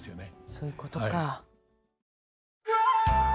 そういうことか。